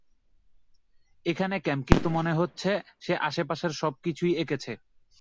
এখানে ক্যাম্প, কিন্তু মনে হচ্ছে সে আশেপাশের সব কিছুই এঁকেছে।